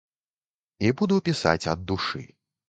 І буду пісаць ад душы.